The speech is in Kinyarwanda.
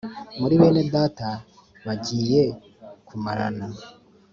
muri bene data bagiye kumarana